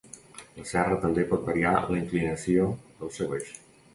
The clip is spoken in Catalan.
La serra també pot variar la inclinació del seu eix.